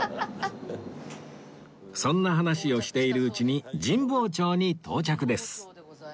そんな話をしているうちに神保町に到着です